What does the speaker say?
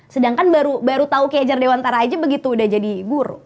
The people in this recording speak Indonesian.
sedangkan baru tau kayak jardewantara aja begitu udah jadi guru